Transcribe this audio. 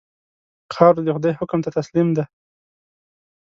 خاوره د خدای حکم ته تسلیم ده.